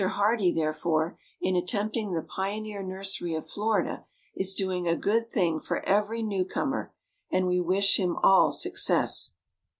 Hardee, therefore, in attempting the pioneer nursery of Florida, is doing a good thing for every new comer; and we wish him all success.